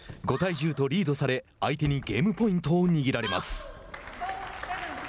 ５対１０とリードされ相手にゲームポイントを握られます。